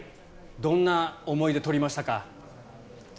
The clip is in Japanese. どんな思いでとりましたか？